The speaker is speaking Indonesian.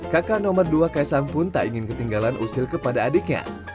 kakak nomor dua kaisang pun tak ingin ketinggalan usil kepada adiknya